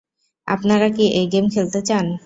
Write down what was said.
আপনারা কি এই গেম খেলতে চান?